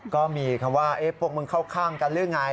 ก็มีคำว่าพวกมึงเข้าข้างกันหรือไง